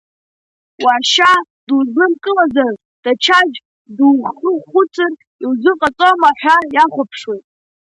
Уашьа дузнымкылозар даҽаӡә духхәыцыртә иузыҟаҵома ҳәа иахәаԥшуеит.